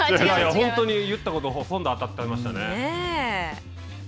本当に言ったことほとんど当たってましたね。